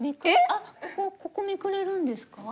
あっここめくれるんですか？